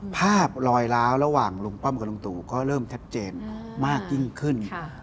ภาพลอยล้าวระหว่างลุงป้อมกับลุงตู่ก็เริ่มชัดเจนมากยิ่งขึ้น